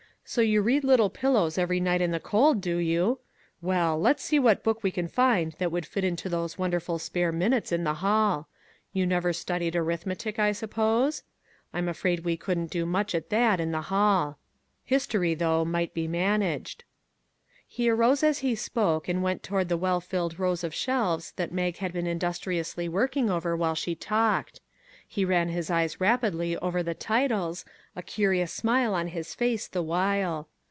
" So you read ' Lit tle Pillows ' every night in the cold, do you ? Well! let's see what book we can find that would fit into those wonderful spare minutes in the hall. You never studied arithmetic, I suppose? I'm afraid we couldn't do much at that, in the hall. History, though, might be managed." He arose as he spoke, and went toward the well filled rows of shelves that Mag had been industriously working over while she talked. He ran his eyes rapidly over the titles, a curious smile on his face the while.